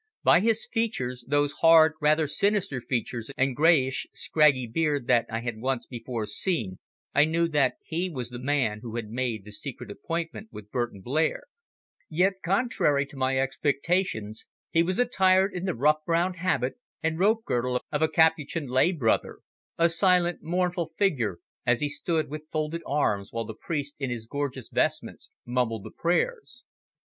By his features those hard, rather sinister features and greyish scraggy beard that I had once before seen I knew that he was the man who had made the secret appointment with Burton Blair, yet, contrary to my expectations, he was attired in the rough brown habit and rope girdle of a Capuchin lay brother, a silent, mournful figure as he stood with folded arms while the priest in his gorgeous vestments mumbled the prayers.